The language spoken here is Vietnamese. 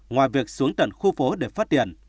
ngoài việc xuống tận khu phố để phát tiền